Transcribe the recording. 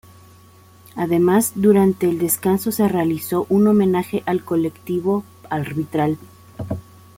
Además, durante el descanso se realizó un homenaje al colectivo arbitral.